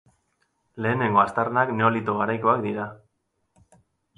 Lehenengo aztarnak Neolito garaikoak dira.